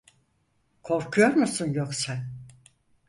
Korkuyor musun yoksa?